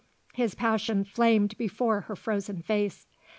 His passion flamed before her frozen face.